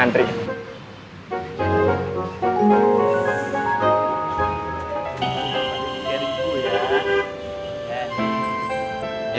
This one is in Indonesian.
aduh ada di pinggir gue ya